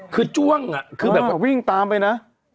คือจ้วงวิ่งตามไปนะ